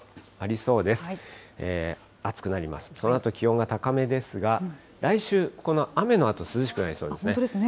そのあと気温が高めですが、来週、この雨のあと、本当ですね。